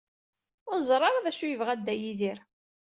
Ur neẓri ara d acu yebɣa Dda Yidir.